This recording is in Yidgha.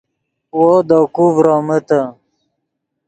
وو دے کوئے ڤرومیتے